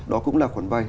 đó cũng là quản vay